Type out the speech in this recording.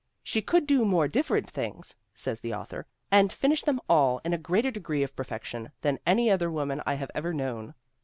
'She could do more dif ferent things,' says the author, 'and finish them all in a greater degree of perfection, than any other woman I have ever known.